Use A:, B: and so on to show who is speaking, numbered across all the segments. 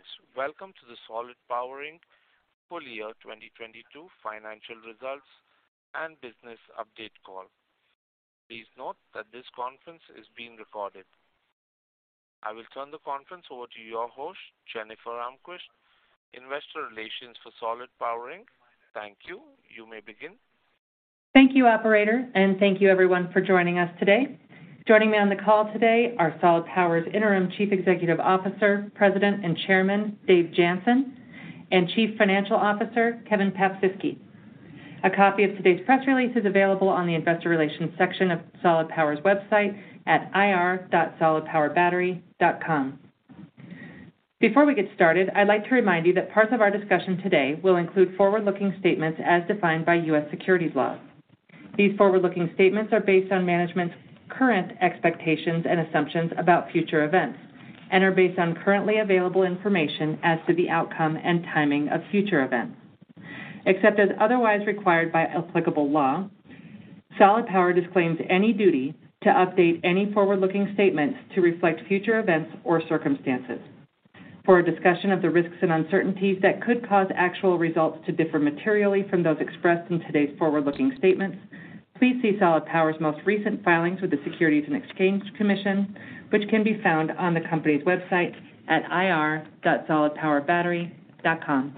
A: Greetings. Welcome to the Solid Power, Inc. full year 2022 financial results and business update call. Please note that this conference is being recorded. I will turn the conference over to your host, Jennifer Almquist, Investor Relations for Solid Power, Inc. Thank you. You may begin.
B: Thank you, operator. Thank you everyone for joining us today. Joining me on the call today are Solid Power's Interim Chief Executive Officer, President and Chairman, David Jansen, and Chief Financial Officer, Kevin Paprzycki. A copy of today's press release is available on the Investor Relations section of Solid Power's website at ir.solidpowerbattery.com. Before we get started, I'd like to remind you that parts of our discussion today will include forward-looking statements as defined by U.S. securities laws. These forward-looking statements are based on management's current expectations and assumptions about future events and are based on currently available information as to the outcome and timing of future events. Except as otherwise required by applicable law, Solid Power disclaims any duty to update any forward-looking statements to reflect future events or circumstances. For a discussion of the risks and uncertainties that could cause actual results to differ materially from those expressed in today's forward-looking statements, please see Solid Power's most recent filings with the Securities and Exchange Commission, which can be found on the company's website at ir.solidpowerbattery.com.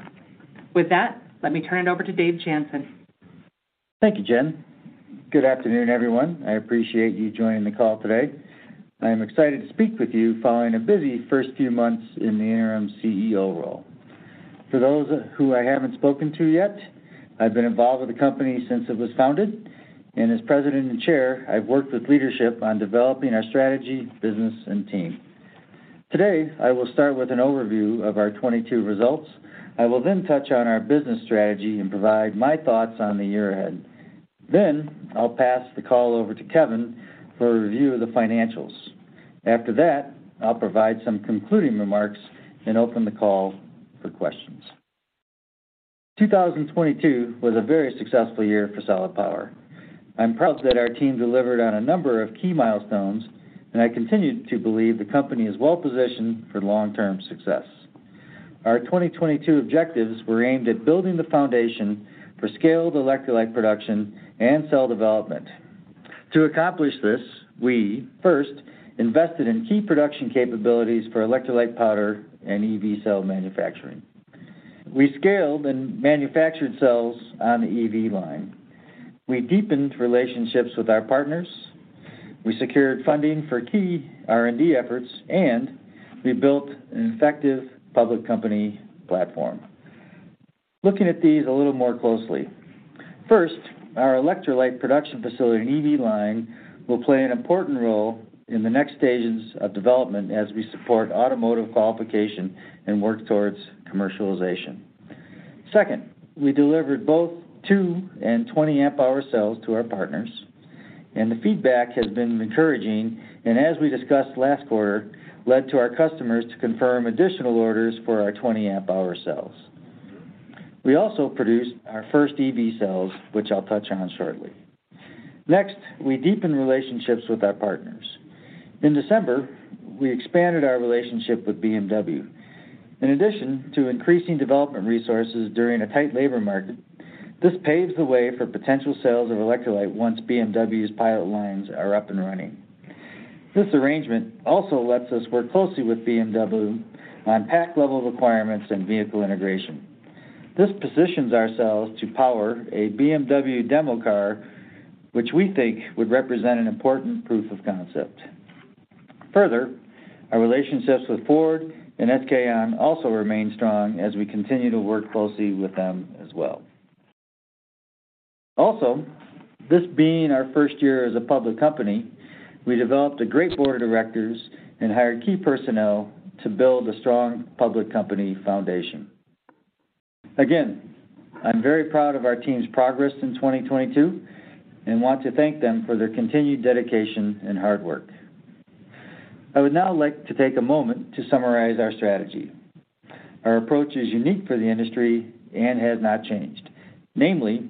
B: With that, let me turn it over to David Jansen.
C: Thank you, Jen. Good afternoon, everyone. I appreciate you joining the call today. I am excited to speak with you following a busy first few months in the interim CEO role. For those who I haven't spoken to yet, I've been involved with the company since it was founded, and as President and Chair, I've worked with leadership on developing our strategy, business, and team. Today, I will start with an overview of our 2022 results. I will then touch on our business strategy and provide my thoughts on the year ahead. I'll pass the call over to Kevin for a review of the financials. After that, I'll provide some concluding remarks and open the call for questions. 2022 was a very successful year for Solid Power. I'm proud that our team delivered on a number of key milestones. I continue to believe the company is well-positioned for long-term success. Our 2022 objectives were aimed at building the foundation for scaled electrolyte production and cell development. To accomplish this, we first invested in key production capabilities for electrolyte powder and EV cell manufacturing. We scaled and manufactured cells on the EV line. We deepened relationships with our partners. We secured funding for key R&D efforts. We built an effective public company platform. Looking at these a little more closely. First, our electrolyte production facility and EV line will play an important role in the next stages of development as we support Automotive Qualification and work towards commercialization. We delivered both 2 and 20 Amp-hour cells to our partners, and the feedback has been encouraging and as we discussed last quarter, led to our customers to confirm additional orders for our 20 Amp-hour cells. We also produced our first EV cells, which I'll touch on shortly. We deepen relationships with our partners. In December, we expanded our relationship with BMW. In addition to increasing development resources during a tight labor market, this paves the way for potential sales of electrolyte once BMW's pilot lines are up and running. This arrangement also lets us work closely with BMW on pack level requirements and vehicle integration. This positions ourselves to power a BMW demo car, which we think would represent an important proof of concept. Our relationships with Ford and SK On also remain strong as we continue to work closely with them as well. This being our 1st year as a public company, we developed a great Board of Directors and hired key personnel to build a strong public company foundation. I'm very proud of our team's progress in 2022 and want to thank them for their continued dedication and hard work. I would now like to take a moment to summarize our strategy. Our approach is unique for the industry and has not changed. Namely,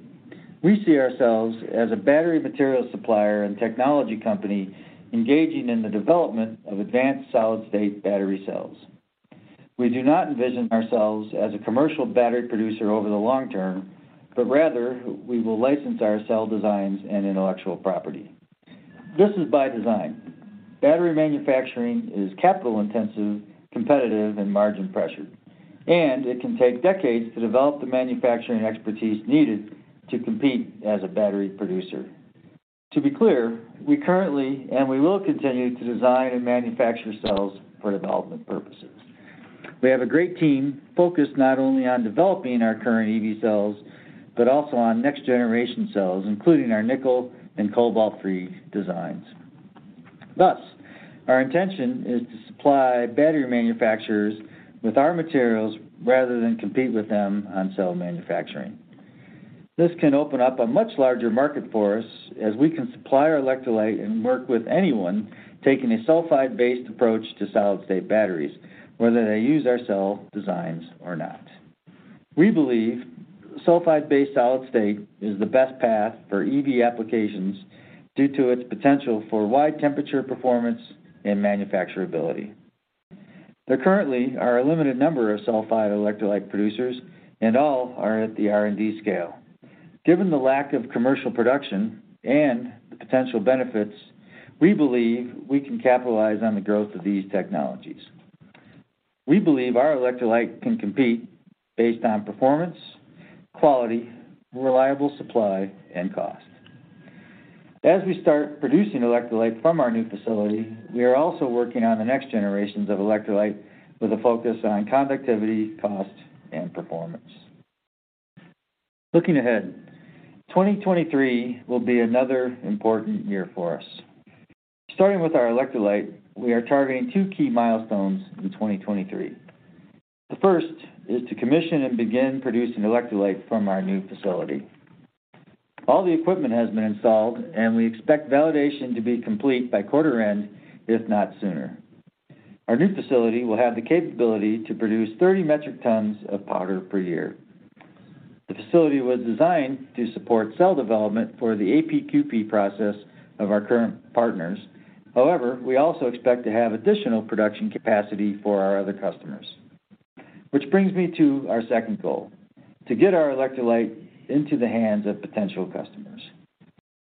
C: we see ourselves as a battery material supplier and technology company engaging in the development of advanced solid-state battery cells. We do not envision ourselves as a commercial battery producer over the long term, rather, we will license our cell designs and intellectual property. This is by design. Battery manufacturing is capital-intensive, competitive, and margin pressured. It can take decades to develop the manufacturing expertise needed to compete as a battery producer. To be clear, we currently and we will continue to design and manufacture cells for development purposes. We have a great team focused not only on developing our current EV cells, but also on next-generation cells, including our nickel-and cobalt-free designs. Our intention is to supply battery manufacturers with our materials rather than compete with them on cell manufacturing. This can open up a much larger market for us as we can supply our electrolyte and work with anyone taking a sulfide-based approach to solid-state batteries, whether they use our cell designs or not. We believe sulfide-based solid state is the best path for EV applications due to its potential for wide-temperature performance and manufacturability. There currently are a limited number of sulfide electrolyte producers, and all are at the R&D scale. Given the lack of commercial production and the potential benefits, we believe we can capitalize on the growth of these technologies. We believe our electrolyte can compete based on performance, quality, reliable supply, and cost. As we start producing electrolyte from our new facility, we are also working on the next generations of electrolyte with a focus on conductivity, cost, and performance. Looking ahead, 2023 will be another important year for us. Starting with our electrolyte, we are targeting two key milestones in 2023. The first is to commission and begin producing electrolyte from our new facility. All the equipment has been installed, and we expect validation to be complete by quarter end, if not sooner. Our new facility will have the capability to produce 30 metric tons of powder per year. The facility was designed to support cell development for the APQP process of our current partners. We also expect to have additional production capacity for our other customers. Which brings me to our second goal, to get our electrolyte into the hands of potential customers.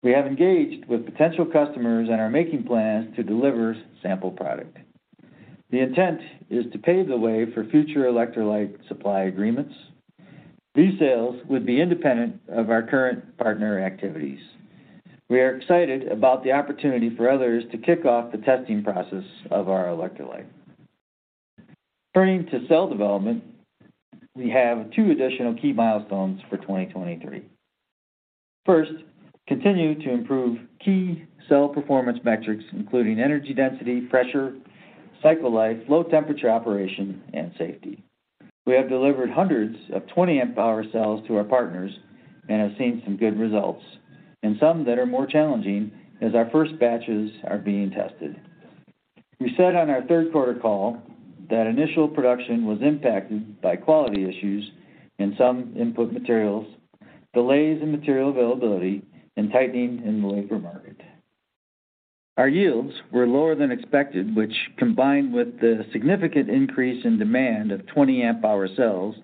C: We have engaged with potential customers and are making plans to deliver sample product. The intent is to pave the way for future electrolyte supply agreements. These sales would be independent of our current partner activities. We are excited about the opportunity for others to kick off the testing process of our electrolyte. Turning to cell development, we have two additional key milestones for 2023. First, continue to improve key cell performance metrics, including energy density, pressure, cycle life, low temperature operation, and safety. We have delivered hundreds of 20 Amp-hour cells to our partners and have seen some good results, and some that are more challenging as our first batches are being tested. We said on our third-quarter call that initial production was impacted by quality issues and some input materials, delays in material availability, and tightening in the labor market. Our yields were lower than expected, which, combined with the significant increase in demand of 20 Amp-hour cells,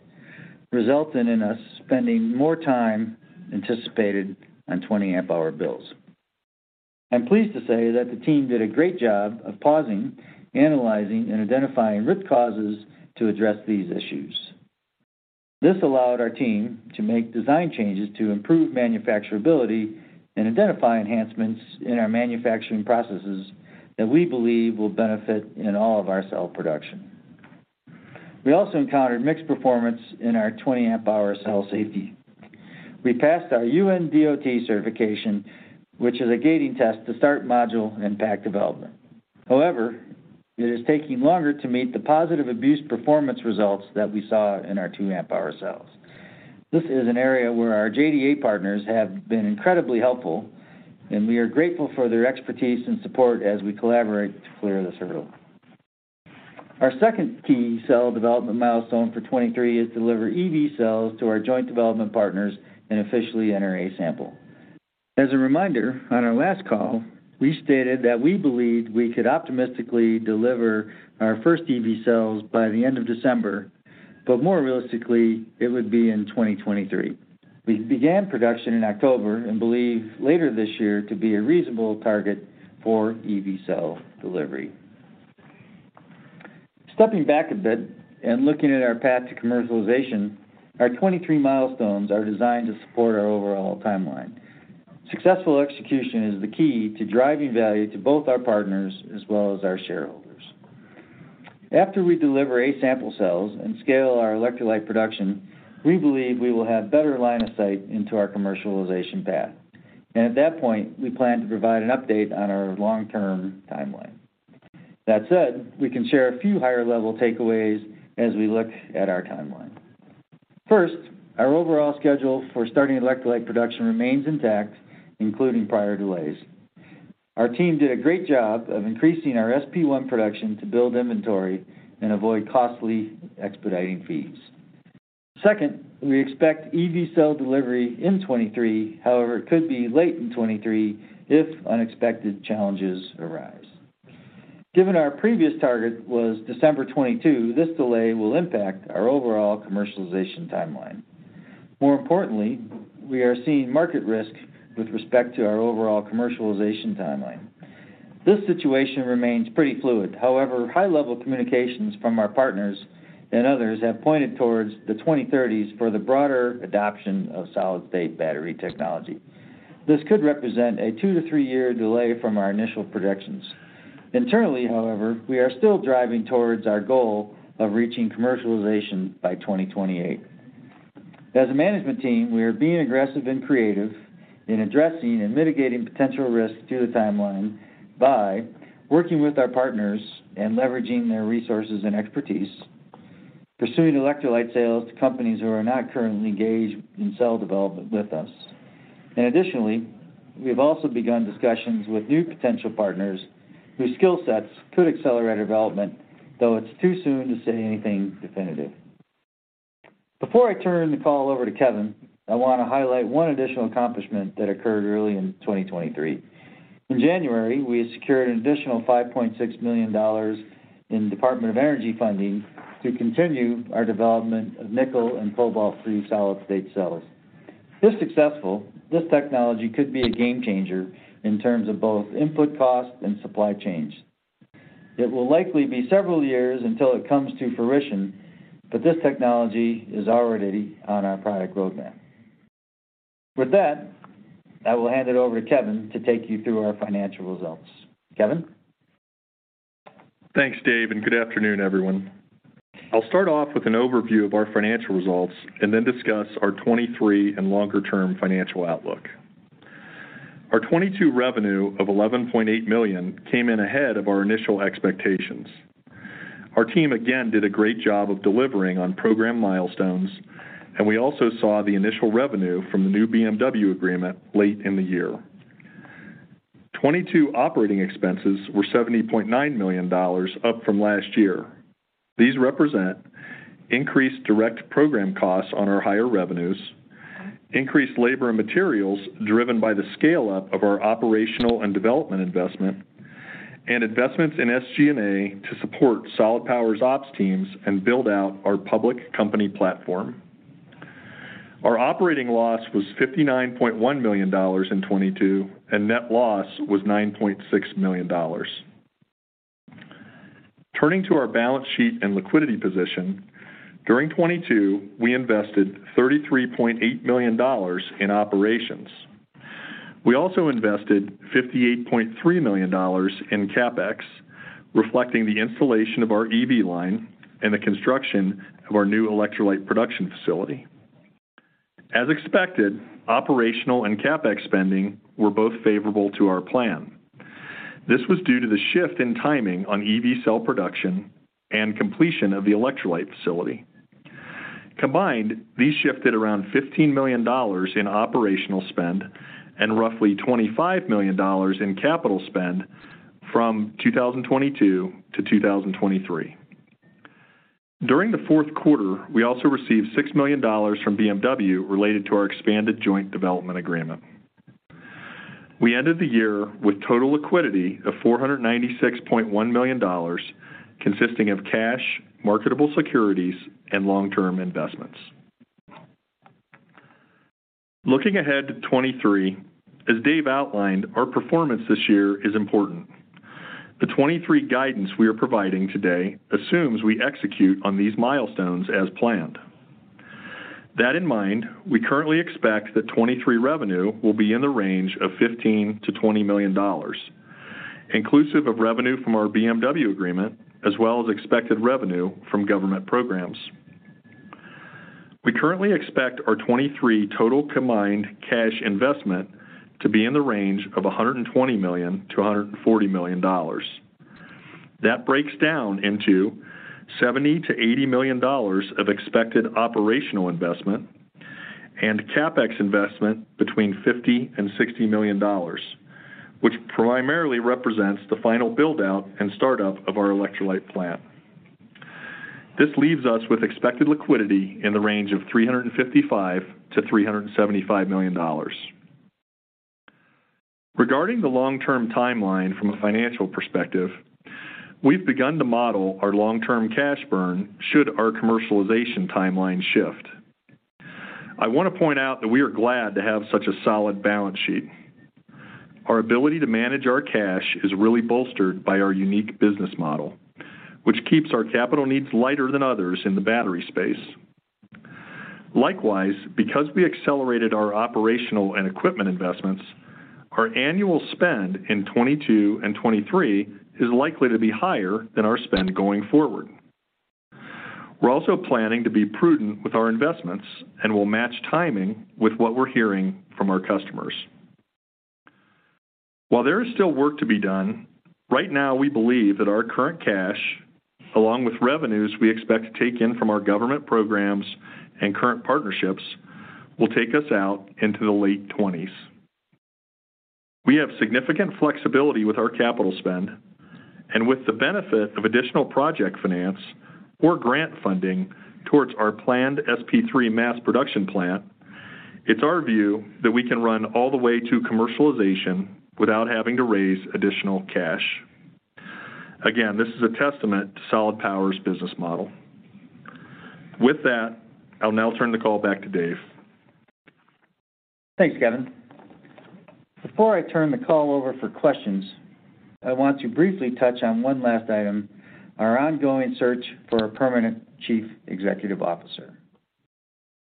C: resulted in us spending more time anticipated on 20 Amp-hour builds. I'm pleased to say that the team did a great job of pausing, analyzing, and identifying root causes to address these issues. This allowed our team to make design changes to improve manufacturability and identify enhancements in our manufacturing processes that we believe will benefit in all of our cell production. We also encountered mixed performance in our 20 Amp-hour cell safety. We passed our UN/DOT certification, which is a gating test to start module and pack development. It is taking longer to meet the positive abuse performance results that we saw in our 2 Amp-hour cells. This is an area where our JDA partners have been incredibly helpful, and we are grateful for their expertise and support as we collaborate to clear this hurdle. Our second key cell development milestone for 2023 is deliver EV cells to our joint development partners and officially enter A-Sample. A reminder, on our last call, we stated that we believed we could optimistically deliver our first EV cells by the end of December, but more realistically, it would be in 2023. We began production in October and believe later this year to be a reasonable target for EV cell delivery. Stepping back a bit and looking at our path to commercialization, our 2023 milestones are designed to support our overall timeline. Successful execution is the key to driving value to both our partners as well as our shareholders. After we deliver A-Sample cells and scale our electrolyte production, we believe we will have better line of sight into our commercialization path. At that point, we plan to provide an update on our long-term timeline. That said, we can share a few higher-level takeaways as we look at our timeline. First, our overall schedule for starting electrolyte production remains intact, including prior delays. Our team did a great job of increasing our SP1 production to build inventory and avoid costly expediting fees. Second, we expect EV cell delivery in 2023. However, it could be late in 2023 if unexpected challenges arise. Given our previous target was December 2022, this delay will impact our overall commercialization timeline. More importantly, we are seeing market risk with respect to our overall commercialization timeline. This situation remains pretty fluid. However, high-level communications from our partners and others have pointed towards the 2030s for the broader adoption of solid-state battery technology. This could represent a two-to-three-year delay from our initial projections. Internally, however, we are still driving towards our goal of reaching commercialization by 2028. As a management team, we are being aggressive and creative in addressing and mitigating potential risks to the timeline by working with our partners and leveraging their resources and expertise, pursuing electrolyte sales to companies who are not currently engaged in cell development with us. Additionally, we have also begun discussions with new potential partners whose skill sets could accelerate development, though it's too soon to say anything definitive. Before I turn the call over to Kevin, I want to highlight one additional accomplishment that occurred early in 2023. In January, we had secured an additional $5.6 million in Department of Energy funding to continue our development of nickel and cobalt free solid-state cells. If successful, this technology could be a game changer in terms of both input costs and supply chains. It will likely be several years until it comes to fruition, but this technology is already on our product roadmap. With that, I will hand it over to Kevin to take you through our financial results. Kevin?
D: Thanks, Dave. Good afternoon, everyone. I'll start off with an overview of our financial results. Then discuss our 2023 and longer term financial outlook. Our 2022 revenue of $11.8 million came in ahead of our initial expectations. Our team again did a great job of delivering on program milestones. We also saw the initial revenue from the new BMW agreement late in the year. 2022 operating expenses were $70.9 million, up from last year. These represent increased direct program costs on our higher revenues, increased labor and materials driven by the scale up of our operational and development investment, and investments in SG&A to support Solid Power's ops teams and build out our public company platform. Our operating loss was $59.1 million in 2022. Net loss was $9.6 million. Turning to our balance sheet and liquidity position, during 2022, we invested $33.8 million in operations. We also invested $58.3 million in CapEx, reflecting the installation of our EV line and the construction of our new electrolyte production facility. As expected, operational and CapEx spending were both favorable to our plan. This was due to the shift in timing on EV cell production and completion of the electrolyte facility. Combined, these shifted around $15 million in operational spend and roughly $25 million in capital spend from 2022 to 2023. During the fourth quarter, we also received $6 million from BMW related to our expanded Joint Development Agreement. We ended the year with total liquidity of $496.1 million, consisting of cash, marketable securities, and long-term investments. Looking ahead to 2023, as Dave outlined, our performance this year is important. The 2023 guidance we are providing today assumes we execute on these milestones as planned. That in mind, we currently expect that 2023 revenue will be in the range of $15 million to $20 million, inclusive of revenue from our BMW agreement, as well as expected revenue from government programs. We currently expect our 2023 total combined cash investment to be in the range of $120 million to $140 million. That breaks down into $70 million to $80 million of expected operational investment and CapEx investment between $50 million and $60 million, which primarily represents the final build out and start up of our electrolyte plant. This leaves us with expected liquidity in the range of $355 million to$375 million. Regarding the long-term timeline from a financial perspective, we've begun to model our long-term cash burn should our commercialization timeline shift. I want to point out that we are glad to have such a solid balance sheet. Our ability to manage our cash is really bolstered by our unique business model, which keeps our capital needs lighter than others in the battery space. Likewise, because we accelerated our operational and equipment investments, our annual spend in 2022 and 2023 is likely to be higher than our spend going forward. We're also planning to be prudent with our investments and will match timing with what we're hearing from our customers. While there is still work to be done, right now we believe that our current cash, along with revenues we expect to take in from our government programs and current partnerships, will take us out into the late twenties.
C: Thanks, Kevin. Before I turn the call over for questions, I want to briefly touch on one last item, our ongoing search for a permanent Chief Executive Officer.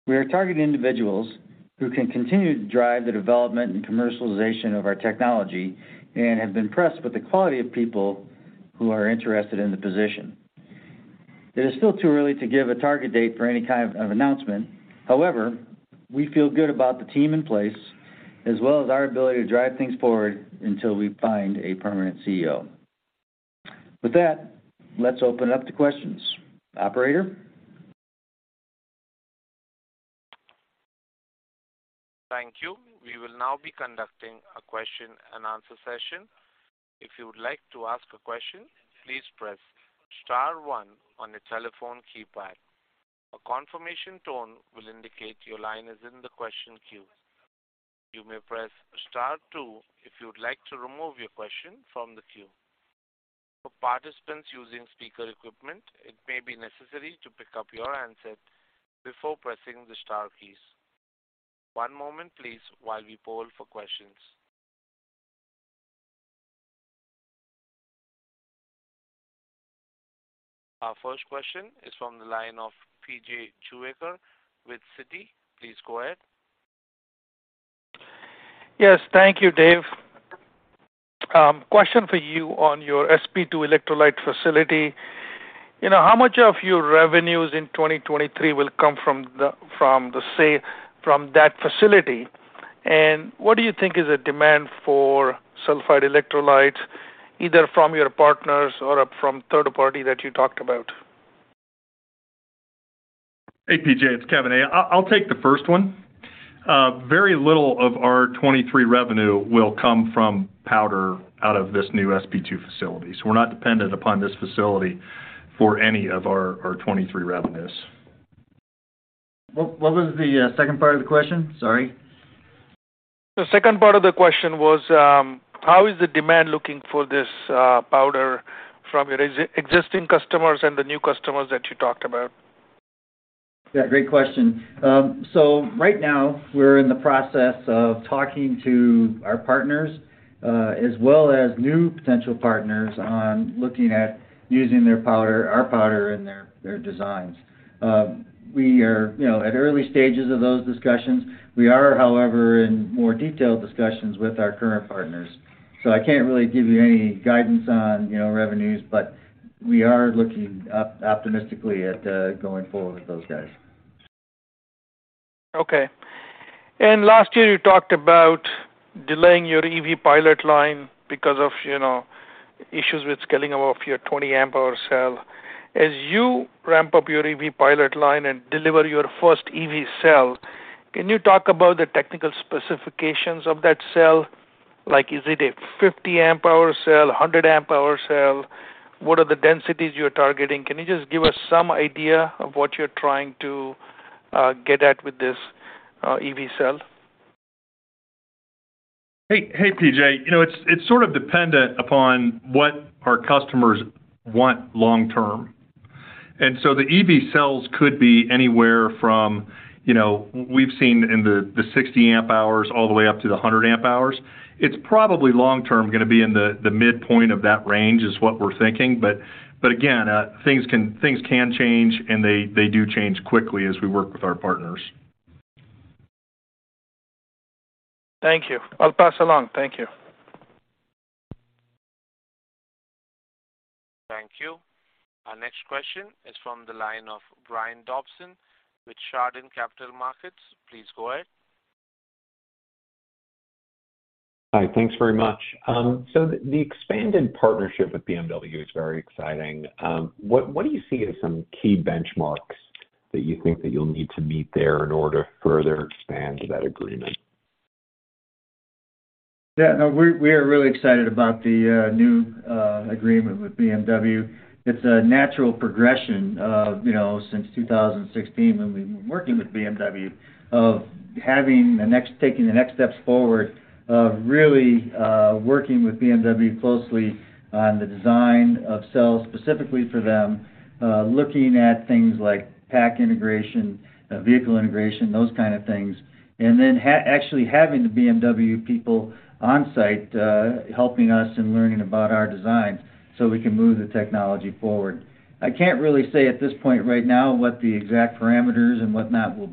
C: We are targeting individuals who can continue to drive the development and commercialization of our technology and have been impressed with the quality of people who are interested in the position. It is still too early to give a target date for any kind of announcement. However, we feel good about the team in place, as well as our ability to drive things forward until we find a permanent CEO. With that, let's open up to questions. Operator?
A: Thank you. We will now be conducting a question and answer session. If you would like to ask a question, please press star one on your telephone keypad. A confirmation tone will indicate your line is in the question queue. You may press star two if you would like to remove your question from the queue. For participants using speaker equipment, it may be necessary to pick up your handset before pressing the star keys. One moment, please, while we poll for questions. Our first question is from the line of PJ Juvekar with Citi. Please go ahead.
E: Yes. Thank you, Dave. Question for you on your SP2 electrolyte facility. You know, how much of your revenues in 2023 will come from the sale from that facility? What do you think is the demand for sulfide electrolytes, either from your partners or up from third party that you talked about?
D: Hey, PJ It's Kevin A. I'll take the first one. Very little of our 23 revenue will come from powder out of this new SP2 facility. We're not dependent upon this facility for any of our 23 revenues.
C: What was the second part of the question? Sorry.
E: The second part of the question was, how is the demand looking for this powder from your existing customers and the new customers that you talked about?
C: Yeah, great question. Right now we're in the process of talking to our partners, as well as new potential partners on looking at using their powder, our powder in their designs. We are, you know, at early stages of those discussions. We are, however, in more detailed discussions with our current partners. I can't really give you any guidance on, you know, revenues, but we are looking optimistically at going forward with those guys.
E: Okay. Last year you talked about delaying your EV pilot line because of, you know, issues with scaling above your 20 ampere hour cell. As you ramp up your EV pilot line and deliver your first EV cell, can you talk about the technical specifications of that cell? Like is it a 50 ampere hour cell, a 100 ampere hour cell? What are the densities you're targeting? Can you just give us some idea of what you're trying to get at with this EV cell?
D: Hey, PJ You know, it's sort of dependent upon what our customers want long term. The EV cells could be anywhere from, you know, we've seen in the 60 Amp-hours all the way up to the 100 Amp-hours. It's probably long term gonna be in the midpoint of that range is what we're thinking. But again, things can change, and they do change quickly as we work with our partners.
E: Thank you. I'll pass along. Thank you.
A: Thank you. Our next question is from the line of Brian Dobson with Chardan Capital Markets. Please go ahead.
F: Hi. Thanks very much. The expanded partnership with BMW is very exciting. What do you see as some key benchmarks that you think that you'll need to meet there in order to further expand that agreement?
C: Yeah, no, we are really excited about the new agreement with BMW. It's a natural progression of, you know, since 2016 when we've been working with BMW of taking the next steps forward of really working with BMW closely on the design of cells specifically for them, looking at things like pack integration, vehicle integration, those kind of things. Actually having the BMW people on-site, helping us in learning about our designs so we can move the technology forward. I can't really say at this point right now what the exact parameters and whatnot will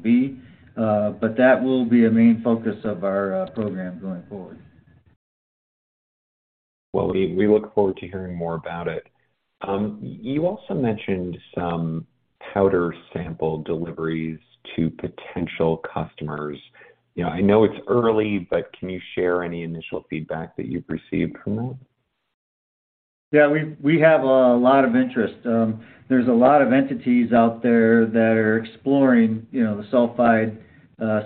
C: be, but that will be a main focus of our program going forward.
F: Well, we look forward to hearing more about it. You also mentioned some powder sample deliveries to potential customers. You know, I know it's early, but can you share any initial feedback that you've received from that?
C: Yeah, we have a lot of interest. There's a lot of entities out there that are exploring, you know, the sulfide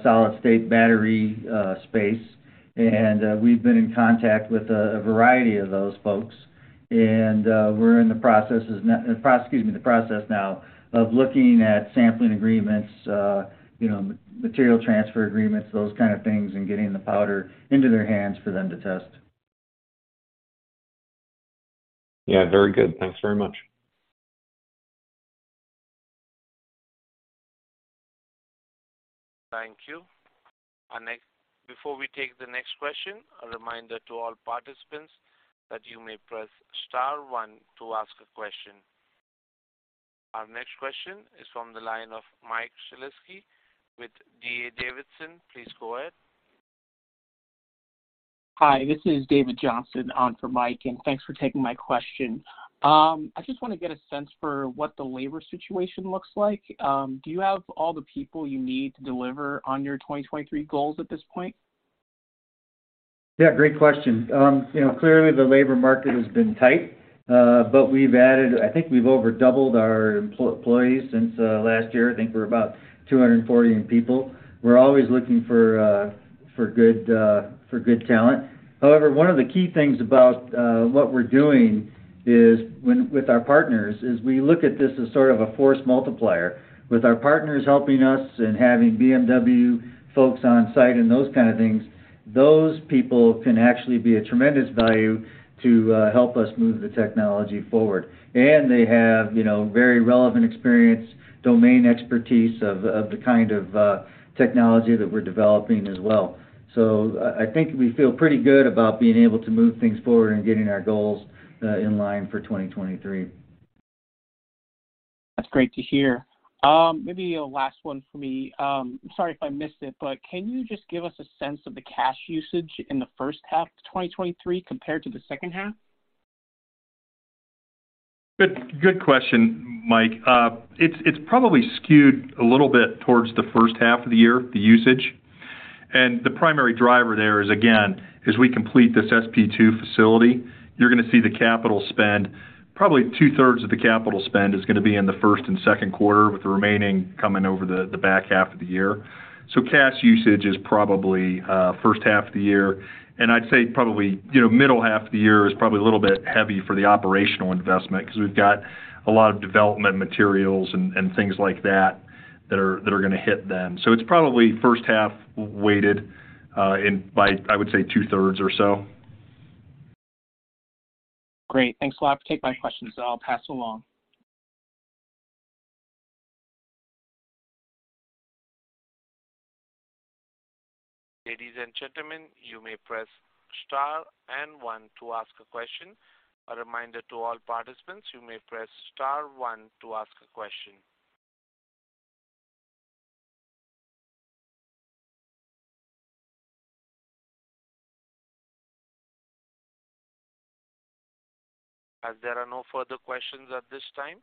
C: solid-state battery space. We've been in contact with a variety of those folks. We're in the process of excuse me, the process now of looking at sampling agreements, you know, material transfer agreements, those kind of things, and getting the powder into their hands for them to test.
F: Yeah, very good. Thanks very much.
A: Thank you. Before we take the next question, a reminder to all participants that you may press star one to ask a question. Our next question is from the line of Michael Shlisky with D.A. Davidson. Please go ahead.
G: Hi, this is David Johnson on for Mike. Thanks for taking my question. I just wanna get a sense for what the labor situation looks like. Do you have all the people you need to deliver on your 2023 goals at this point?
C: Yeah, great question. you know, clearly the labor market has been tight, I think we've over doubled our employees since last year. I think we're about 240 in people. We're always looking for good talent. However, one of the key things about what we're doing is with our partners, is we look at this as sort of a force multiplier. With our partners helping us and having BMW folks on site and those kind of things, those people can actually be a tremendous value to help us move the technology forward. They have, you know, very relevant experience, domain expertise of the kind of technology that we're developing as well. I think we feel pretty good about being able to move things forward and getting our goals in line for 2023.
G: That's great to hear. Maybe a last one for me. Sorry if I missed it, but can you just give us a sense of the cash usage in the first half of 2023 compared to the second half?
D: Good question, Mike. It's probably skewed a little bit towards the first half of the year, the usage. The primary driver there is, again, as we complete this SP2 facility, you're gonna see the capital spend. Probably two-thirds of the capital spend is gonna be in the first and second quarter, with the remaining coming over the back half of the year. Cash usage is probably first half of the year. I'd say probably, you know, middle half of the year is probably a little bit heavy for the operational investment because we've got a lot of development materials and things like that that are gonna hit then. It's probably first half weighted in by, I would say, two-thirds or so.
G: Great. Thanks a lot for taking my questions, and I'll pass along.
A: Ladies and gentlemen, you may press star and 1 to ask a question. A reminder to all participants, you may press star 1 to ask a question. As there are no further questions at this time,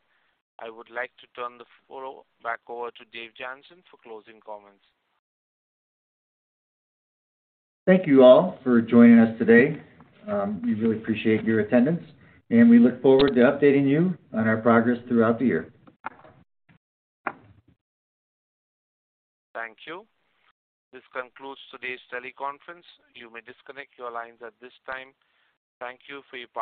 A: I would like to turn the floor back over to David Jansen for closing comments.
C: Thank you all for joining us today. We really appreciate your attendance, and we look forward to updating you on our progress throughout the year.
A: Thank you. This concludes today's teleconference. You may disconnect your lines at this time. Thank you for your participation.